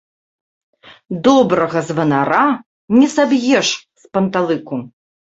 Добрага званара не саб'еш з панталыку.